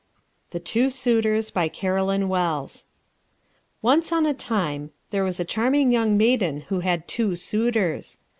THE TWO SUITORS BY CAROLYN WELLS Once on a Time there was a Charming Young Maiden who had Two Suitors.